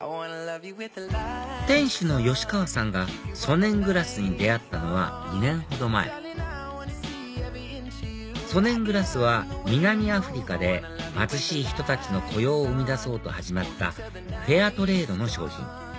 店主の川さんがソネングラスに出会ったのは２年ほど前ソネングラスは南アフリカで貧しい人たちの雇用を生み出そうと始まったフェアトレードの商品